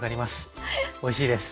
おいしいです。